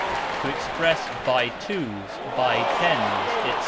To express "by twos, by tens", etc.